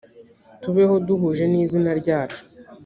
tubeho duhuje n izina ryacu